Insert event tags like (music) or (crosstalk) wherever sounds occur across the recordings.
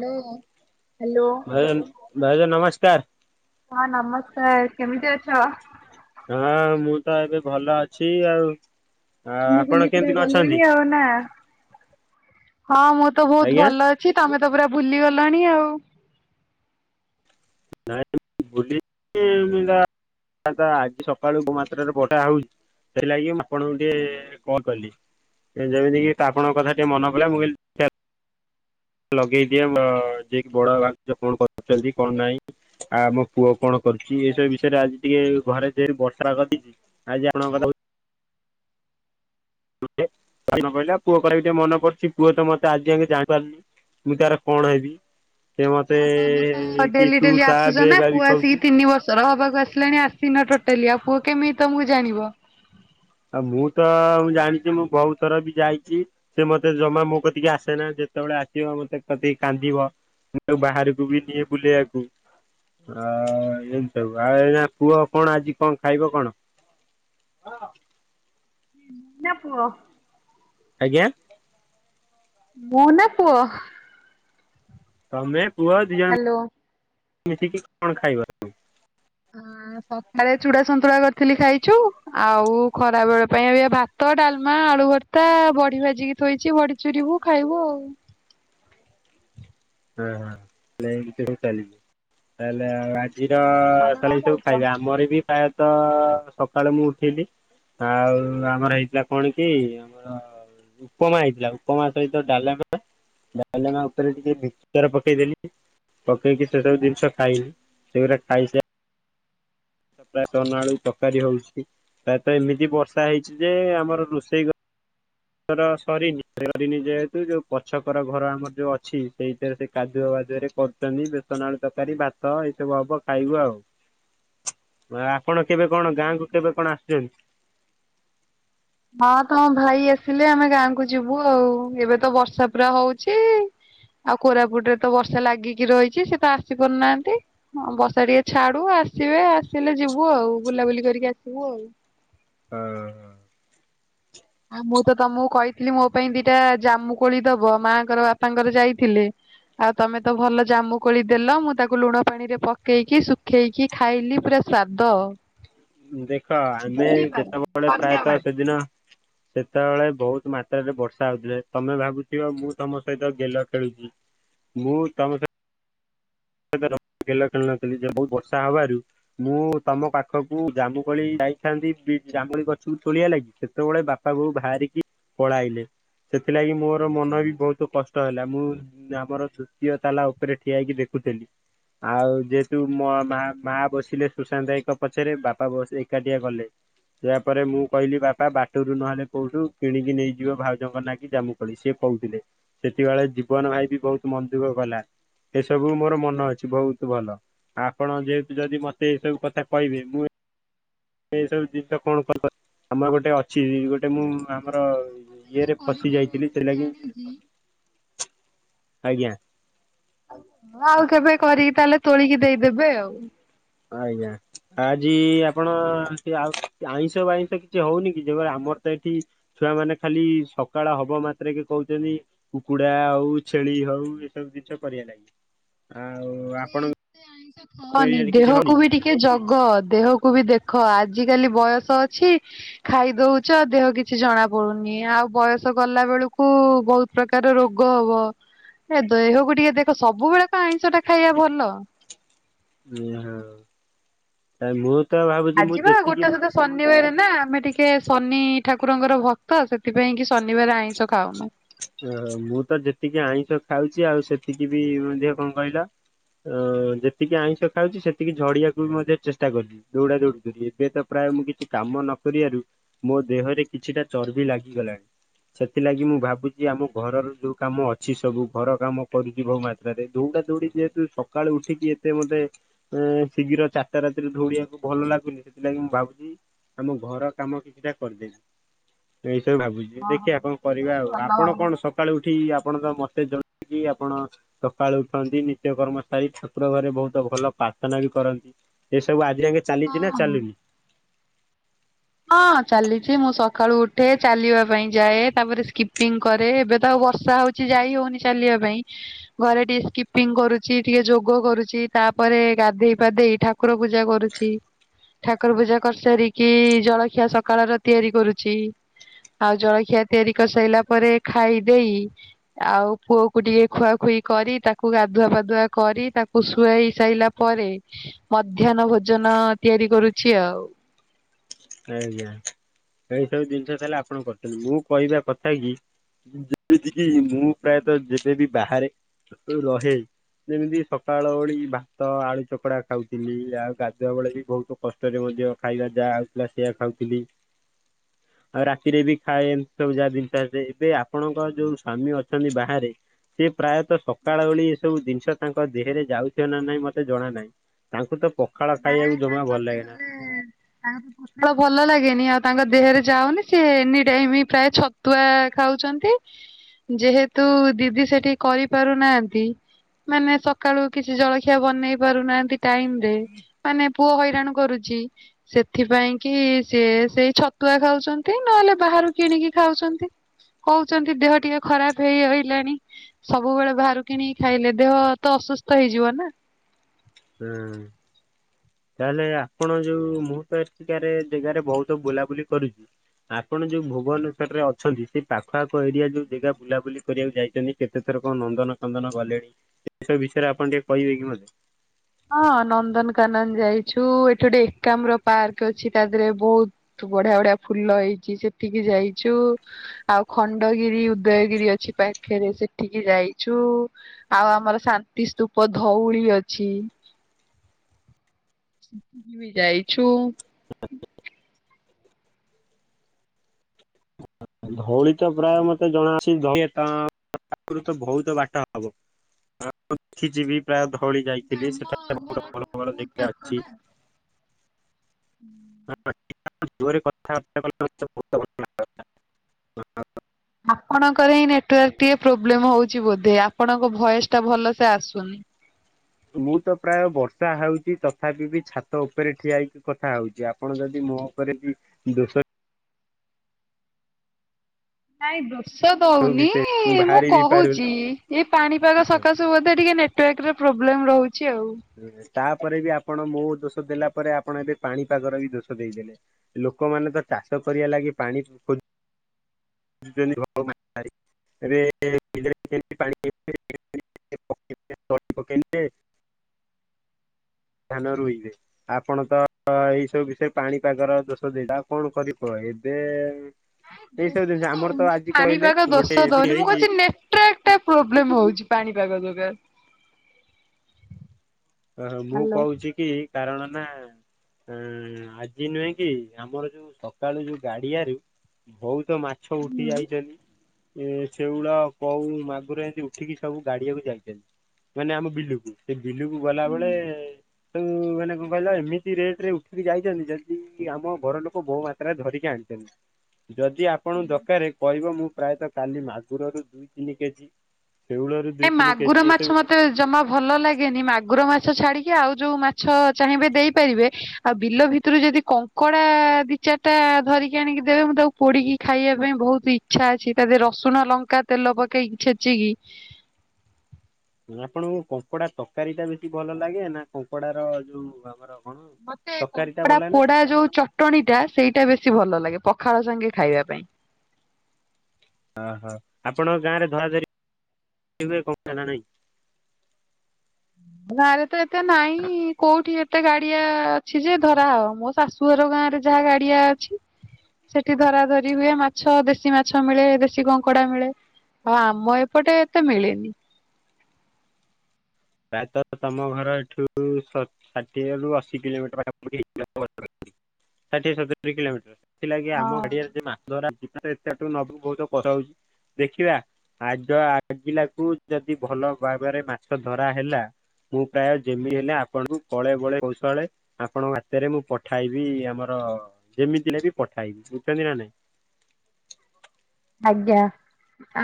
Hello. ଭାଇମାନେ ଭାଉଜ ନମସ୍କାର। ହଁ ନମସ୍କାର କେମିତି ଅଛ? ହଁ ମୁଁ ତ ଏବେ ଭଲ ଅଛି ଆଉ। ଆ ବୁଲି ବୁଲି ଆପଣ ପୁରା କେମିତି କ ଗଲଣି ଅଛନ୍ତି। ଆଉ ନା। ହଁ ମୁଁ ତ ବହୁତ ଆଜ୍ଞା ଭଲ ଅଛି ତମେ ତ ପୁରା ଭୁଲି ଗଲଣି ଆଉ। ନାଇ ବୁଲି (unintelligible) ଆଜି ସକାଳୁ ଗୋ ମାତ୍ରାରେ ବଢା ହଉଚି ସେଇଲାଗି ମୁଁ ଆପଣଙ୍କୁ ଟିକେ କଲ କଲି। ଯେମିତି କିି ଆପଣଙ୍କ କଥା ଟିକେ ମନେ ପଡିଲା ମୁଁ ଲଗେଇଦିଆ ଯିଏକି ବଡ ଭାଉଜ କଣ କରଛନ୍ତି କଣ ନାହିଁ ଆ ମୋ ପୁଅ କଣ କରୁଛି ଏସବୁ ବିଷୟରେ ଆଜି ଟିକେ ଘରେ ଯେହେତୁ ବର୍ଷା କରିଛି ଆଜି ଆପଣଙ୍କ କଥା ବହୁ ମ (unintelligible) କହିଲା ପୁଅ କା ଟିକେ ମନ ପଡୁଛି ପୁଅ ତ ମତେ ଆଜି ଆ ଜାଣିପାରୁନି। ମୁଁ ତାର କଣ ହେବି? ସେ ମତେ ହଁ ତମେ ତ କି ଡେଲି ତୁ ଡେଲି ତା ଆସୁଛ ବେ ନା ବାବି ପୁଅ କହୁଛି। ଆସିକି ତିନି ବର୍ଷର ହବାକୁ ଆସି ଖିଲାଣି ଆସିନ ଟୋଟାଲି ଆଉ ପୁଅ କେମିତି ତମକୁ ଜାଣିବ। ଆଉ ମୁଁ ତ ମୁ ଜାଣିଛି ମୁଁ ବହୁତୁ ଥର ବି ଯାଇଛି ସେ ମତେ ଜମା ମୋ କତିକି ଆସେନା। ଯେତେବେଳେ ଆସିବ ମତେ କତିକି କାନ୍ଦିବ ମୁଁ ବାହାରକୁ ବି ନିଏ ବୁଲେଇବାକୁ। ଆଉ ଏମିତି ସବୁ ଆଉ ଏ ପୁଅ କଣ ଆଜି କଣ ଖାଇବ କଣ? ହଁ। ମୁଁ ନା ପୁଅ ଆଜ୍ଞା। ମୁଁ ନା ପୁଅ। ତମେ ପୁଅ ଦିଅ ହ୍ୟାଲୋ। ଜଣ ମିଶିକି କଣ ଖାଇବ। ହ ସକାଳେ ଚୁଡା ସନ୍ତୁଳା କରିଥିଲି ଖାଇଛୁ ଆଉ ଖରା ବେଳ ପାଇଁ ଏ ଭାତ ଡାଲ ମା ଆଳୁ ଭର୍ତ୍ତା ବଡି ଭାଜିକି ଥୋଇଛି ବଡି ଚୁରିବୁ ଖାଇବୁ ଆଉ। ହଁ ହଁ ତା ହେଲେ ଏମିତି ଚାଲିିଛି ତାହେଲେ ଆଉ ଜିର ହଁ ତମେ ତା କଣ ହେଲେ ଏ ସବୁ ଖାଇଛ? ଖାଇବେ ଆମର ବି ପ୍ରାୟତଃ ସକାଳୁ ମୁଁ ଉଠିଲି ଆଉ ଆମର ହେଇଥିଲା କଣ କି ଆମର ଉପମା ହେଇଥିଲା ଉପମା ସହିତ ଡାଲମା ଡାଲମା ଉପରେ ଟିକେ ଭି ମିଚର ପକେଇଦେଲି ପକେଇକି ସେ ସବୁ ଜିନିଷ ଖାଇଲି ସେଗୁରା ଖାଇ ସା ତ ପ୍ରାୟତଃ ନାଳୁ ତରକାରୀ ହଉଛି। ପ୍ରାୟତ ଏମିତି ବର୍ଷା ହେଇଛି ଯେ ଆମର ରୋଷେଇ ଘରେ (inaudible) ସରିନି ସରିନି ଯେହେତୁ ଯୋଉ ପଛକର ଘର ଆମର ଯୋଉ ଅଛି ସେଇଥିରେ ସେ କାଦୁଅ ରେ କରୁଛନ୍ତି ବେସନ ଆଳୁ ତରକାରୀ ଭାତ ଏଇ ସବୁ ହବ ଖାଇବୁ ଆଉ। ଆପଣ କେବେ କଣ ଗାଁ କୁ କେବେ କଣ ଆସୁଛନ୍ତି। ହଁ ତମ ଭାଇ ଆସିଲେ ଆମେ ଗାଁକୁ ଯିବୁ ଆଉ ଏବେ ତ ବର୍ଷା ପୁରା ହଉଛି। ଆଉ କୋରାପୁଟରେ ତ ବର୍ଷା ଲାଗିକି ରହିଛି ସେ ତ ଆସି ପାରୁନାହାନ୍ତି ବର୍ଷା ଟିକେ ଛାଡୁ ଆ ଆସିବେ ଆସିଲେ ଯିବୁ ଆଉ ବୁଲାବୁଲି କରିକି ଆସିବୁ ଆଉ। ହଁ। ଆଉ ମୁଁ ତ ତମକୁ କହିଥିଲି ମୋ ପାଇଁ ଦିଟା ଜାମୁକୋଳି ଦବ ମାଙ୍କର ବାପାଙ୍କର ଯାଇଥିଲେ। ଆଉ ତମେ ତ ଭଲ ଜାମୁ କୋଳି ଦେଲ ମୁଁ ତାକୁ ଲୁଣ ପାଣି ରେ ପକେଇକି ଶୁଖେଇକି ଖାଇଲି ପୁରା ସ୍ୱାଦ। ଦେଖ ଆମେ ଯେତେବେଳେ ପ୍ରାୟତ ସେଦିନ। ସେତେବେଳେ ବହୁତ ମାତ୍ରାରେ ବର୍ଷା ହଉଥିଲା ତମେ ଭାବୁଥିବ ମୁଁ ତମ ସହିତ ଗେଲ ଖେଳୁଛି। ମୁଁ ତମ ସହି ସତର ଗେଲ ଖେଳୁ ନଥିଲି ଯେ ବହୁତ ବର୍ଷା ହବାରୁ ମୁଁ ତମ ପାଖକୁ ଜାମୁକୋଳି ଯାଇଥାନ୍ତି ବି ଜାମୁକୋଳି ଗଛରୁ ତୋଳିଆ ଲାଗି ସେତେବେଳେ ବାପା ବୋଉ ବାହାରିକି ପଳାଇଲେ। ସେଥିଲାଗି ମୋର ମନ ବି ବହୁତ କଷ୍ଟ ହେଲା ମୁଁ ଆମର ତୃତୀୟ ତାଲା ଉପରେ ଠିଆ ହେଇକି ଦେ ଖୁଥିଲି। ଆଉ ଯେହେତୁ ମୋ ମା ମା ବସିଲେ ସୁଶାନ୍ତ ଭାଇଙ୍କ ପଛରେ ବାପା ବସି ଏକାଟିଆ ଗଲେ। ତାପରେ ମୁଁ କହିଲି ବାପା ବାଟରୁ ନହେଲେ କୋଉଠୁ କିଣିକି ନେଇଯିବ ଭାଉଜଙ୍କ ନା କି ଜାମୁକୋଳି ସେ କହୁଥିଲେ ସେତବେଳେ ଜୀବନ ଭାଇ ବି ବହୁତ ମନ ଦୁଃଖ କଲା ହେସ ସବୁ ମୋର ମନ ଅଛି ବହୁତ ଭଲ ଆପଣ ଯେହେତୁ ଯଦି ମତେ ଏ ସବୁ କଥା କହିବେ ମୁଁ ଏଇ ସବୁ ଜିନିଷ କଣ କର? ଆମର ଗୋଟେ ଅଛି ଗୋଟେ ମୁଁ ଆମର ଇଏ କିଇସ କରିପାରିବେନି ମୁଁ ଜାଣିଛି । ଆଜ୍ଞା। ଆଉ ଆଉ କେବେ କରିକି ତାହେଲେ ତୋଳିକି ଦେଇଦେବେ ଆଉ। ଆଜ୍ଞା ଆଜି ଆପଣ ସେ ଆଉ ସେ ଆଇଁଷ ବାଇଁଷ କିଛି ହଉନି କି ଜମା ଆମ ତ ଏଠି ଛୁଆ ମାନେ ଖାଲି ସକାଳ ହବ ମାତ୍ରେକେ କହୁଚନ୍ତି କୁକୁଡା ହଉ ଛେଳି କି ହଉ ଏସବୁ ଜିନିଷ କରିବା ଲାଗି ଆଉ ଆପଣ ହବନି ଦେହକୁ ବି ଟିକେ ଜଗ ଦେହକୁ ବି ଦେଖ ଆଜିିକାଲି ବୟସ ଅଛି ଖାଇ ଦଉଚ ଦେହ କିଛି ଜଣା ପଡୁନି ଆଉ ବ ବୟସ ଗଲା ବେଳକୁ ବହୁତ ପ୍ରକାର ରୋଗ ହବ । ଏ ଦେହକୁ ଟିକେ ଦେଖ ସବୁବେଳେ କଣ ଆଇଁଷ ଟା ଖାଇବା ଭଲ? ଉ ହଁ ଆଉ ଆଉ ମୁଁ ତ ଭାବୁଛି ମୁଁ ଆଜିି ପା ଯେତିକି ଗୋଟେ ସୁଦ୍ଧା ଶନିବାରେ ନା ଆମେ ଟିକେ ଶନି ଠାକୁରଙ୍କର ଭକ୍ତ ସେଥିପାଇଁ କି ଶନିବାର ଆଇଁଷ ଖାଉନୁ। ଓହୋ ମୁଁ ତ ଯେତିକି ଆଇଁଷ ଖାଉଛି ଆଉ ସେତିକି ବି ମଧ୍ୟ କଣ କହିଲ? ଅ ଯେତିକି ଆଇଁଷ ଖାଉଚି ସେତିକି ଝଡିବାକୁ ବି ମଧ୍ୟ ଚେଷ୍ଟା କଲି ଦୌଡା ଦୌଡି କରି ଏବେ ତ ପ୍ରା ଆ ମୁଁ କିଛି କାମ ନ କରିବାରୁ ମୋ ଦେହରେ କିଛିଟା ଚର୍ବି ଲାଗିଗଲାଣି। ସେଥିଲାଗି ମୁଁ ଭାବୁ ଚି ଆମ ଘରର ଯୋଉ କାମ ଅଛି ସବୁ ଘର କାମ କରୁଛି ବହୁ ମାତ୍ରାରେ ଦୌଡ଼ା ଦୌଡି ଯେହେତୁ ସକାଳୁ ଉଠିକି ଏତେ ମତେ ଏଁ ଶୀଘ୍ର ଚାରିଟା ରାତିରେ ଦୌଡିବାକୁ ଭଲ ଲାଗୁନି ସେଥିଲାଗି ମୁଁ ଭାବୁଛି। ଆମ ଘର କାମ କିଛିଟା କରିଦେବି ମୁଁ ଏଇସବୁ ଭାବୁଛି ଦେଖିବା ଆପଣ ସେଇଟା କରିବା ବି ଆଉ ଆ ଭଲ ଆପଣ ହବ କଣ ସକାଳୁ ଉଠି ଆ ଆପଣ ତ ମତେ ଜଣା କି ଆପଣ ସକାଳୁ ଉଠନ୍ତି ନିିତ୍ୟ କର୍ମ ସାରି ଠାକୁର ଘରେ ବହୁତ ଭଲ ପା ପ୍ରାର୍ଥନା ବି କରନ୍ତି ଏ ସବୁ ଆଜି ଯାଙ୍କେ ଚାଲିଛି ନା ହଁ। ଚାଲିନି? ହଁ ଚାଲିଛି ମୁଁ ସକାଳୁ ଉଠେ ଚାଲିବା ପାଇଁ ଯାଏ ତାପରେ ସ୍କିପିଙ୍ଗ କରେ ଏବେ ତ ଆଉ ବର୍ଷା ହଉଛି ଯାଇ ହଉନି ଚାଲିବା ପାଇଁ ଘରେ ଟିକେ ସ୍କିପିଙ୍ଗ କରୁଛି ଟିକେ ଯୋଗ କରୁଛି ତାପରେ ଗାଧେଇ ପାଧେଇ ଠାକୁର ପୂଜା କରୁଛି ଠାକୁର ପୂଜା କରିସାରିକି। ଜଳଖିଆ ସକାଳର ତିଆରି କରୁଛି। ଆଉ ଜଳଖିଆ ତିଆରି କରିସାରିଲା ପରେ ଖାଇ ଦେଇ ଆଉ ପୁଅକୁ ଟିକେ ଖୁଆଖୁଇ ଇ କରି ତାକୁ ଗାଧୁଆ ପାଧୁଆ କରି ତାକୁ ଶୁଆଇ ସାଇଲା ପରେ ମଧ୍ୟାନ ଭୋଜ ଜନ ତିଆରି କରୁଛି ଆଉ। ଆଜ୍ଞା ଏଇ ସବୁ ଜିନିଷ ତାହଲେ ଆପଣ କରିଛନ୍ତି ମୁଁ କହିବା କଥା କି। ଇ ଯେମିତି କିି ମୁଁ ପ୍ରାୟତ ଯେବେ ବି ବାହାରେ ର-ରହେ। ଯେମିତି ସକାଳ ଓଳି ଭାତ, ଆଳୁ ଚକଡ଼ା ଖାଉଥିଲି ଆଉ ଗାଧୁଆ ବେଳେ ବି ବହୁତ କଷ୍ଟରେ ଯୋ ଖାଇବା ଯାହା ହଉଥିଲା ସେୟା ଖାଉଥିଲି। ଆଉ ରାତିରେ ବି ଖାଏ ଏମିତି ସବୁ ଯାହା ଜିନିଷ ଆସେ ଏବେ ଆପଣଙ୍କ ଯୋଉ ସ୍ଵାମୀ ଅଛନ୍ତି ବାହାରେ। ସେ ପ୍ରାୟତଃ ସକାଳ ଓଳି ଏସବୁ ଜିନିଷ ତାଙ୍କ ଦେହରେ ଯାଉଥିବ ନା ନାଇଁ ମତେ ଜଣା ନାହିଁ ତାଙ୍କୁ ତ ପଖାଳ ନାଇଁ ଖାଇବାକୁ ଜମା ତାଙ୍କ ଭଲ ଲାଗେନା ଦେହରେ ତାଙ୍କ କୁଟିଳ ଭଲ ଲାଗେନି ଆଉ ତାଙ୍କ ଦେହରେ ଯାଉନି ସେ ଏନି ଟାଇମ୍ ପ୍ରାୟ ଛତୁଆ ଖାଉଛନ୍ତି। ଯେହେତୁ ଦିଦି ସେଠି କରିପାରୁନାହାନ୍ତି ମାନେ ସକାଳୁ କିଛି ଜଳଖିଆ ବନେଇ ପାରୁନାହାନ୍ତି ଟାଇମ୍ ରେ ମାନେ ପୁଅ ହଇରାଣ କରୁଛି ସେଥିପାଇଁ କି ସେ ସେଇ ଛତୁଆ ଖାଉଛନ୍ତି। ନହେଲେ ବାହାରୁ କିଣି କି ଖାଉଛନ୍ତି। କହୁଛନ୍ତି ଦେହ ଟିକେ ଖରାପ ହେଇ ରହିଲାଣି ସବୁବେଳେ ବାହାରୁ କିଣିକି ଖାଇଲେ ଦେହ ତ ଅସୁସ୍ଥ ହେଇଯିବ ନା । ହୁଁ। ତାହେଲେ ଆପଣ ଯୋଉ ମୁଁ ତ ଏଠିକାରେ ଜାଗାରେ ବହୁତ ବୁଲାବୁଲି କରୁଛି। ଆପଣ ଯୋଉ ଭୁବନେଶ୍ଵରରେ ଅଛନ୍ତି ସେ ପାଖ ଆଖ ଏରିଆ ଯୋଉ ଜାଗା ବୁଲାବୁଲି କରିବାକୁ ଯାଇଛନ୍ତି କେତେ ଥର? ତ କଣ ନନ୍ଦନ କନ୍ଦନ ଗଲେଣି ଏସବୁ ବିଷୟରେ ଆପଣ ଟିକେ କହିବେ କି ମତେ? ହଁ ନନ୍ଦନକାନନ ଯାଇଛୁ ଏଠି ଗୋଟେ ଏକାମ୍ର ପାର୍କ ଅଛି ତା ଦେହରେ ବହୁତ ବଢ଼ିଆ ବଢ଼ିଆ ଫୁଲ ହେଇଛି ସେତିକି ଯାଇଛୁ ଆଉ ଖଣ୍ଡଗିରି ଉଦୟଗିରି ଅଛି। ପାଖରେ ସେଠିକି ଯାଇଛୁ ଆଉ ଆମର ଶାନ୍ତି ସ୍ତୁପ ଧଉଳି ଅଛି। ବି ଯାଇଛୁ। (inaudible) ଧଉଳି ତ ପ୍ରାୟ ମତେ ଜଣା ଅଛି। ଆଗରୁ ତ ବହୁତ ବାଟ ହବ ମୁ ଦେଖିଛିବି ପ୍ରାୟତଃ ଓଳି ଯାଇଥିଲି ସେଠାରେ ଭଲ ଭଲ ଜେଗା ଅଛି। (unintelligible) ଆପଣଙ୍କର ହିଁ ନେଟୱାର୍କ ଟିକେ ପ୍ରୋବ୍ଲେମ ହଉଛି ବୋଧେ ଆପଣଙ୍କ ଭଏସ ଟା ଭଲସେ ଆସୁନି। ମୁଁ ତ ପ୍ରାୟ ବର୍ଷା ହଉଛି ତଥାପି ବି ଛାତ ଉପରେ ଠିଆଇକି କଥା ହଉଛି ଆପଣ ଯଦି ମୋ ଉପରେ ବି ଦୋଷ ଆଇବ୍ରୋ। ସେ ବି ଦଉନି ସେ ମୁଁ ବାହାରି ବି ପାରୁନି। କହୁଛି ଏଇ ପାଣିପାଗ ସକାଶୁ ବୋଧେ ଟିକେ ନେ ଟେକ ର ପ୍ରୋବ୍ଲେମ ରହୁ ତାପରେ ବି ଆପଣ ମୋ ଦୋଷ ଦେଲା ପରେ ଆପଣ ଏବେ ପାଣି ପାଗର ବି ଦୋଷ ଦେଇଦେଲେ ଲୋକମାନେ ତ ଚାଷ କରିବା ଲାଗି ପାଣି ଖୋ (inaudible) ଏବେ। (inaudible) (unintelligible) ଧାନ ରୋଇବେ ଆପଣ ତ ଏଇ ସବୁ ବିଷୟରେ ପାଣିପାଗର ଦୋଷ ଦେଇ ଆଉ କଣ କରିବ। ଏବେ ଏଇ ସବୁ ଦୋଷ ଜିନିଷ ଆମର ତ ଦଉନି ଆଜି ପାଣି କହିଲେ ପାଗ ଗୋଟେ ଦୋଷ ଏମିତି ଦଉନି ମୁଁ ହେଇଛି କଛି ନେଟ୍ ୱାର୍କ ଟା ପ୍ରୋବ୍ଲେମ୍ ହଉଛି ପାଣି (unintelligible) ଓହୋ ମୁଁ କହୁଛି କି କାରଣ ନା ଉଁ ଆଜି ନୁହେଁ କି ଆମର ଯୋଉ ସକାଳୁ ଯୋଉ ଗାଡିଆରୁ ବହୁତ ତ ମାଛ ଉଠି ଯାଇଚନି। ଏ ଶେଉଳ, କଉ, ମାଗୁର ଏମତି ଉଠିକି ସବୁ ଗାଡିଆକୁ ଯାଇଚନ୍ତି। ମାନେ ଆମ ବିଲୁକୁ ସେ ବିଲୁକୁ ଗଲା ବେଳେ। ତ ମାନେ କଣ କହିଲ ଏମିତି ରେଟ ରେ ଉଠିକି ଯାଇଚନ୍ତି ଯଦି ଆମ ଘର ଲୋକ ବୋ ମାତ୍ରାରେ ଧରିକି ଆ ହେଲା। ଯଦି ଆପଣଙ୍କୁ ଦକାରେ କହିବ ମୁଁ ପ୍ରାୟତ କାଲି ମାଗୁରରୁ ଦୁଇ ତିନି କେଜି ଶେଉଳରୁ ନା ଦୁଇ ତିନି ମାଗୁର କେଜି ଏସବୁ ମାଛ ମତେ ଜମା ଭଲ ଲାଗେନି ମାଗୁର ମା ମାଛ ଛାଡିକି ଆଉ ଯୋଉ ମାଛ ଚାହିଁବେ ଦେଇପାରିବେ ଆଉ ବିଲ ଭିତରୁ ଯଦି କଙ୍କଡ଼ା ବି ଚାର ଟା ଧରିକି ଆଣିକି ଦେବେ ମୁଁ ତାକୁ ପୋଡିକି ଖାଇବା ପାଇଁ ବହୁତ ଇଚ୍ଛା ଅଛି ତା ଦେହେ ରସୁଣ ଲଙ୍କା ତେଲ ପକେଇ କି ଛେଚିକି ଆପଣଙ୍କୁ କଙ୍କଡା ତରକାରୀ ଟା ବେଶୀ ଭଲ ଲାଗେ ନା କଙ୍କଡା ର ଯୋଉ ଆମର କଣ ମତେ ତରକାରୀ ଟା ଭଲ ଲାଗେ ନା କଙ୍କଡାପୋଡା ଯୋଉ ଚଟଣୀ ଟା ସେଇଟା ବେଶୀ ଭଲ ଲାଗେ। ପଖାଳ ସାଙ୍ଗେ ଖାଇବା ପାଇଁ। ଓହୋ ଆପଣଙ୍କ ଗାଁରେ ଧରା ଧରି କେବେ କରୁଚ ନା ନାହିଁ? ଗାଁରେ ତ ଏତେ ନାଇଁ କୋଉଠି ଏ ଏତେ ଗାଡିଆ ଅଛି ଯେ ଧରାହବ ମୋ ଶାଶୁଘର ଗାଁ ରେ ଯାହା ଗାଡିଆ ଅଛି। ସେଠି ଧରା ଧରି ହୁଏ ମାଛ ଦେଶୀ ମାଛ ମିଳେ ଦେଶୀ କଙ୍କଡା ମିଳେ। ଆଉ ଆମ ଏପଟେ ଏତେ ମିଳେନି। ପ୍ରାୟତ ତମ ଘର ଏଠୁ ଷାଠିଏ ରୁ ଅଶି କିଲୋମିଟର ପାଖାପାଖି (unintelligible) ଷାଠିଏ ସତୁରି କିଲୋମିଟର ସେଥିଲାଗି ହଁ ଆମ ଗାଡିଆରେ ଜଉ ମାଛ ରା ଅଛି ଏତେଠୁ ନବ ବୋହୁତ କଥା ହଉଛି। ଦେଖିବା ଆଗ ଆଗିଲା କୁ ଯଦି ଭଲ ଭାବରେ ମାଛ ଧରା ହେଲା ମୁଁ ପ୍ରାୟ ଯେମିତି ହେଲେ ଆପଣଙ୍କୁ କଳେ ବଳେ କୌଶଳେ ଆପଣଙ୍କ ହାତରେ ମୁଁ ପଠାଇବି, ଆମର ହଁ ଯେମିତି ହେଲେବି ପଠାଇବି ବୁଝ (unintelligible) ନା ନାଇଁ। ଆଜ୍ଞା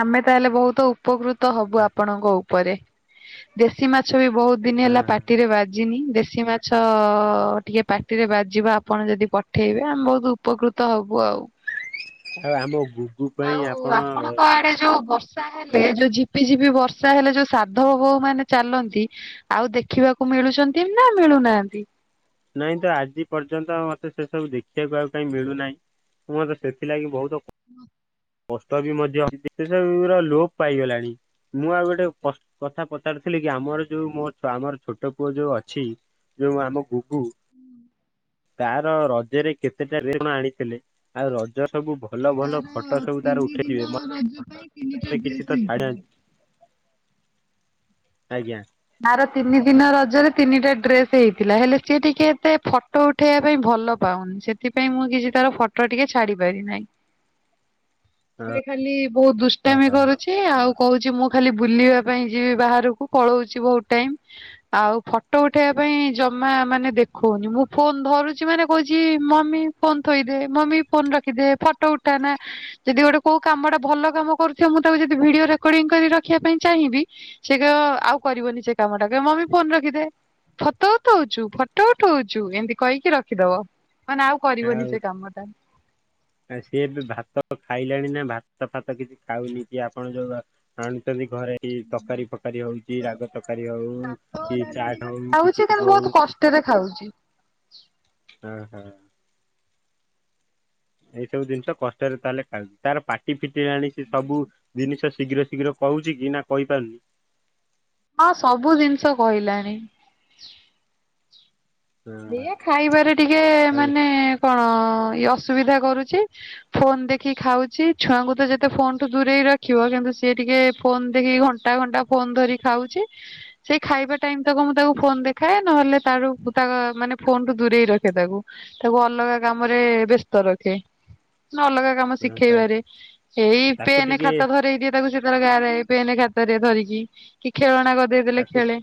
ଆମେ ତାହେଲେ ବହୁତ ଉପକୃତ ହବୁ ଆପଣଙ୍କ ଉପ୍ ଉପରେ ଦେଶୀ ମାଛ ବି ବୋହୁତ ଦିନ ହଁ ହେଲା ପାଟିରେ ବାଜିନି। ଦେଶୀ ମାଛ ଅ ଟିକେ ପାଟିରେ ବାଜିବା ଆପଣ ଯଦି ପଠେଇବେ ଆମେ ବୋହୁତ ଉପକୃତ ହବୁ ଆଉ। ଆଉ ଆମକୁ ଆଉ ଆପଣଙ୍କ ଆଡେ ଯୋଉ ବର୍ଷ ବଷା ହେଲେ ଯୋଉ ଝିପି ଝିପି ବର୍ଷା ହେଲେ ଯୋଉ ସାଧବ ବୋଉ ମାନେ ଚାଲନ୍ତି ଆଉ ଦେଖିବାକୁ ମିଳୁ ମିଳୁଚନ୍ତି ନା ମିଳୁନାହାନ୍ତି? ନାଇଁ ତ ଆଜି ପର୍ଯ୍ୟନ୍ତ ମତେ ସେ ସବୁ ଦେଖିବାକୁ ଆଉ କାଇଁ ମିଳୁନାହିଁ। ମୁଁ ତ ସେଥିଲାଗି ବହୁତ କଷ୍ଟ ବି ମଧ୍ୟ ସେବ (unintelligible) ଲୋପ ପାଇଗଲାଣି ମୁଁ ଆଉ ଗୋଟେ କଥା ପଚାରୁଥିଲି କ ଆମର ଯୋଉ ମୋ ଆମର ଛୋଟ ପୁଅ ଯୋଉ ଅଛି, ଯୋଉ ଆମ ଗୁଗୁ ତାର ରଜରେ କେତେଟା (unintelligible) ଆଣିଥିଲେ, ଆଉ ରଜ ସବୁ ଭଲ ଭଲ ତାର ଫ ଫଟୋ ସବୁ ତାର ତିନି ଦିନ ରଜ ପାଇଁ ତିନିଟା ଉଠେଥିବେ ଡ୍ରେସ କିଛି ତ ହେଇଥିଲା। ଛାଡ ଆଜ୍ଞା। ତାର ତିନି ଦିନ ରଜରେ ତିନିଟା ଡ୍ରେସ ହେଇଥିଲା, ହେଲେ ସିଏ ଟିକେ ଏତେ ଫଟୋ ଉଠେଇବା ପାଇଁ ଭଲ ଭଲ ପାଉନି, ସେଥିପାଇଁ ମୁଁ କିଛି ତାର ଫଟୋ ଟିକେ ଛାଡି ପାରି ନାହିଁ। (inaudible) ସେ ଖାଲି ବୋହୁତ ଦୁଷ୍ଟାମି କରୁଚି ଆଉ। କହୁଚି ମୁଁ ଖାଲି ବୁଲିବା ପାଇଁ ଯିବି ବାହାରକୁ, ପଳଉ ଟ ଆଉ ଫଟୋ ଉଠେଇବା ପାଇଁ ଜମା ମାନେ ଦେଖଉନି ମୁଁ ଫୋନ ଧରୁଚି। ମନେ କହୁଚି ମମି ଫୋନ ଥୋଇଦେ ମମି ଫୋନ ରଖିଦେ ଫଟୋ ଉଠା କାମଟା ଭଲ କାମ କରୁବ ମୁଁ ତାକୁ ଯଦି ଭିଡିଓ ରେକର୍ଡିଂ କରି ରଖିବା ପାଇଁ ଚାହିଁବି ସେ ଆଉ କରିବନି ସେ କାମ ଟା ମମି ଫୋନ ରଖିଦେ। ଫଟୋ ଉଠଉଛୁ ଫଟୋ ଉଠଉଛୁ ଏମିତି କହିକି ରଖିଦବ। ମାନେ ଆଉ କରିବନି ସେ କାମ ଟା। ଆ ସିଏ ଏବେ ଭାତ ଖାଇଲାଣି ନା ଭାତ ଫାତ କିଛି ଖାଉନି କିଏ ଆପଣ ଯୋଉ ଜାଣିୁଚନ୍ତି। ଘରେ ତରକାରୀ ଫକାରୀ ହୋଉଚି ରାଗ ତରକାରୀ ହୋଉ କି ଚାଟ ହଉ ଖାଉଛି ଗୁପଚୁପ କିନ୍ତୁ ବହୁତ ହୋଉ। କଷ୍ଟରେ ଖାଉ। ହୁଁ ହଁ। ଏଇ ସବୁ ଜିନିଷ କଷ୍ଟରେ ତାହେଲେ ଖା ତାର ପାଟି ଫିଟିିଲଲାଣି ସେ ସବୁ ଜିନିଷ ଶୀଘ୍ର ଶୀଘ୍ର କହୁଛି କି ନା କହିପାରୁନି। ହଁ ସବୁ ଜିନିଷ କହିଲାଣି। ହଁ ଦ ଖାଇବାରେ ଟିକେ ତାହେଲେ ମାନେ ହଁ ହଁ, ଇଏ ଅସୁବିଧା କରୁଛି, ଫୋନ ଦେଖି ଖାଉଛି, ଛୁଆଙ୍କୁ ତ ଯେତେ ଫୋନଠୁ ଦୂରେଇ ରଖିବ। କିନ୍ତୁ ସିଏ ଟିକେ ଫୋନ ଦେଖିକି ଘଣ୍ଟା ଘଣ୍ଟା ଫୋନ ଧରି ଖାଉଛି ସେ ଖାଇବା ଟାଇମ ତକ ମୁଁ ତାକୁ ଫୋନ ଦେଖାଏ ନହଲେ ତାରୁ ତା ମାନେ ଫୋନଠୁ ଦୂରେଇ ରଖେ ତାକୁ ତାକୁ ଅଲଗା କାମ ରେ ବ୍ୟସ୍ତ ରଖେ। ନ ଅଲଗା କାମ ହଁ ତାହେଲେ ଶିଖେଇବାରେ ଏଇ ତାକୁ ପେନ ଟିକେ ଖାତା ଧରଇ ଦିଏ ତାକୁ ସି ତାଧିରେ ଗାରାଏ ପେନ୍ ଖାତରେ ଧରିକି, କି ଖେଳଣା କରିଦେଇଲେ ତାକୁ ଖେଳେ।